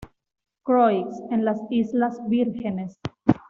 Croix, en las Islas Vírgenes.